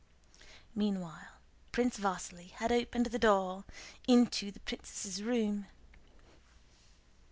Meanwhile Prince Vasíli had opened the door into the princess' room.